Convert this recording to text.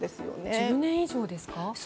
１０年以上ですか。